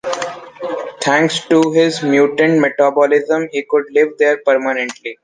Thanks to his mutant metabolism, he could live there permanently.